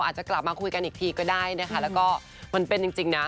อาจจะกลับมาคุยกันอีกทีก็ได้นะคะแล้วก็มันเป็นจริงนะ